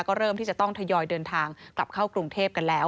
ก็เริ่มที่จะต้องทยอยเดินทางกลับเข้ากรุงเทพกันแล้ว